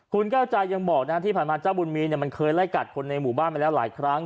คุณแก้วใจยังบอกนะฮะที่ผ่านมาเจ้าบุญมีมันเคยไล่กัดคนในหมู่บ้านมาแล้วหลายครั้ง